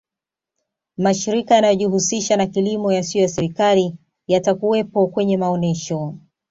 mashirika yanayojihusisha na kilimo yasiyo ya serikali yatakuwepo kwenye maonesho